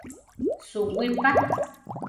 Suwí pa!